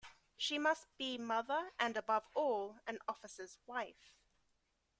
She must be mother and, above all, an officer's wife.